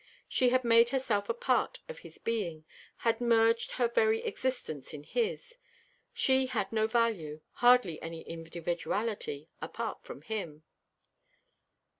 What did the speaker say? She had made herself a part of his being, had merged her very existence in his; she had no value, hardly any individuality, apart from him.